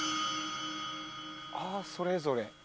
あそれぞれ。